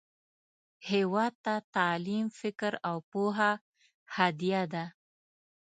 هیواد ته تعلیم، فکر، او پوهه هدیه ده